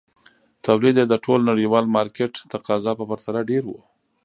تولید یې د ټول نړیوال مارکېټ تقاضا په پرتله ډېر وو.